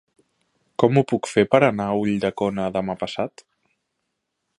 Com ho puc fer per anar a Ulldecona demà passat?